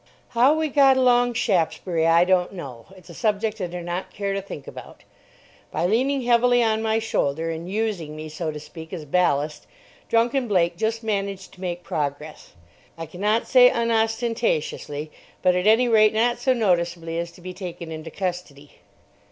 How we got along Shaftesbury I don't know. It's a subject I do not care to think about. By leaning heavily on my shoulder and using me, so to speak, as ballast, drunken Blake just managed to make progress, I cannot say unostentatiously, but at any rate not so noticeably as to be taken into custody.